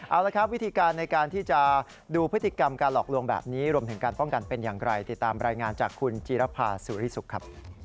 เอาละครับวิธีการในการที่จะดูพฤติกรรมการหลอกลวงแบบนี้รวมถึงการป้องกันเป็นอย่างไรติดตามรายงานจากคุณจีรภาสุริสุขครับ